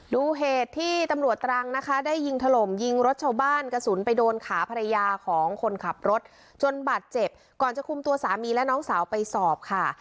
ดูเหตุที่ตำรวจตรังนะคะได้ยิงถล่มยิงรถชาวบ้านกระสุนไปโดนขาภรรยาของคนขับรถจนบาดเจ็บก่อนจะคุมตัวสามีและน้องสาวไปสอบค่ะ